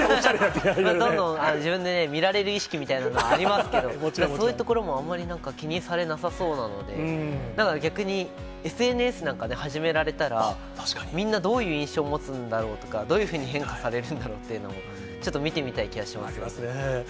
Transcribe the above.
どんどん自分で見られる意識みたいのはありますけれども、そういうところもあまりなんか気にされなさそうなので、なんか逆に、ＳＮＳなんか始められたら、みんなどういう印象を持つんだろうとか、どういうふうに変化されるんだろうというのもちょっと見てみたいありますね。